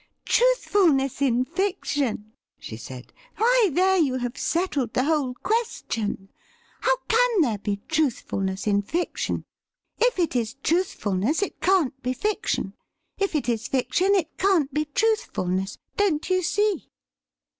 ' Truthfulness in fiction,' she said. ' Why, there you have settled the whole question. How can there be truth fulness in fiction .'' If it is truthfulness, it can't be fiction ; if it is fiction, it can't be truthfulness — don't you see